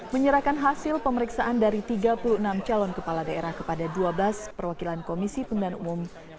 menyerahkan hasil pemeriksaan dari tiga puluh enam calon kepala daerah kepada dua belas perwakilan komisi pemilihan umum